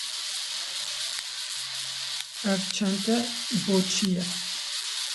Ev çente boçî ye